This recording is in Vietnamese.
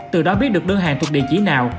từ đó biết được đơn hàng thuộc địa chỉ nào